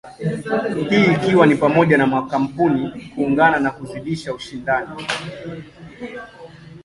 Hii ikiwa ni pamoja na makampuni kuungana na kuzidisha ushindani.